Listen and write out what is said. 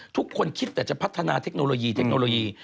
ทุกคนคิดแต่จะพัฒนาเทคโนโลยี